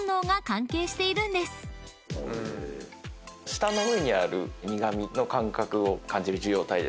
舌の上にある苦味の感覚を感じる受容体ですね。